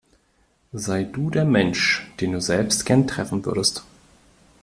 Sei du der Mensch, den du selbst gern treffen würdest.